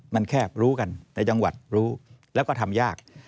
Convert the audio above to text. มันแคบรู้กันในจังหวัดรู้แล้วก็ทำยาก